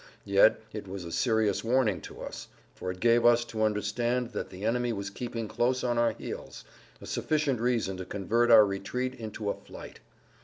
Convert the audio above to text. Yet it was a serious warning to us, for it gave us to understand that the enemy was keeping close on our heels—a sufficient reason to convert our retreat into a flight.